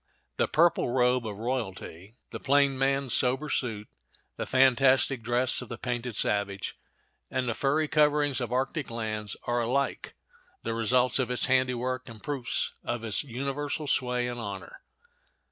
The purple robe of royalty, the plain man's sober suit, the fantastic dress of the painted savage, and the furry coverings of arctic lands are alike the results of its handiwork, and proofs of its universal sway and honor.